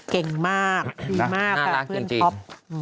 เก่งมากดีมากกับเพื่อนท็อป